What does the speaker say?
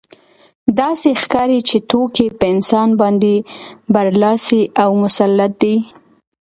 داسې ښکاري چې توکي په انسان باندې برلاسي او مسلط دي